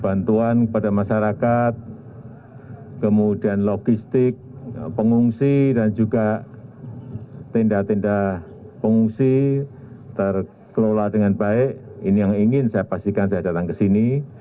bantuan kepada masyarakat kemudian logistik pengungsi dan juga tenda tenda pengungsi terkelola dengan baik ini yang ingin saya pastikan saya datang ke sini